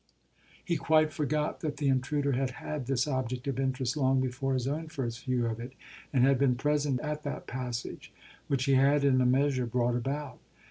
He quite forgot that the intruder had had this object of interest long before his own first view of it and had been present at that passage, which he had in a measure brought about.